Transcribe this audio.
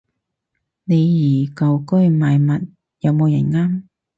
李怡舊居賣物，有冇人啱